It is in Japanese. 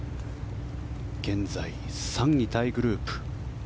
現在、３位タイグループ。